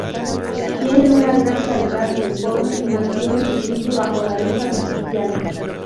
Tienen una gran claridad uniforme y mantienen su brillo bajo la luz artificial.